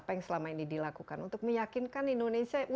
apa yang selama ini dilakukan untuk meyakinkan indonesia